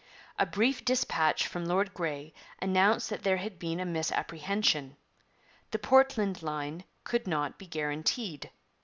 A brief dispatch from Lord Grey announced that there had been a misapprehension. The Portland line could not be guaranteed.